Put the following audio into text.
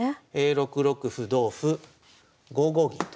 ６六歩同歩５五銀と。